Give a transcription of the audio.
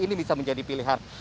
ini bisa menjadi pilihan